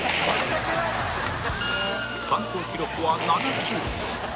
参考記録は７球